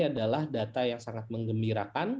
adalah data yang sangat mengembirakan